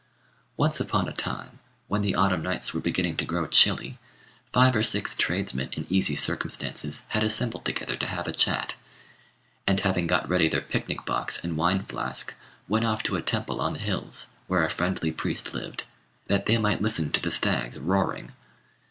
Once upon a time, when the autumn nights were beginning to grow chilly, five or six tradesmen in easy circumstances had assembled together to have a chat; and, having got ready their picnic box and wine flask, went off to a temple on the hills, where a friendly priest lived, that they might listen to the stags roaring.